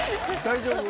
大丈夫？